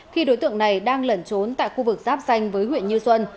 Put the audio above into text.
khi đối tượng này đang lẩn trốn tại khu vực giáp danh với huyện như xuân